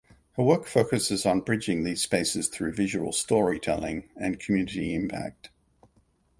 Her work focuses on bridging these spaces through visual storytelling and community impact.